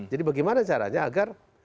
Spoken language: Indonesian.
jadi bagaimana caranya agar